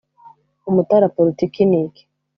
Umutara Polytchnic